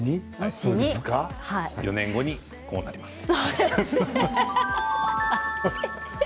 ４年後に、こうなります。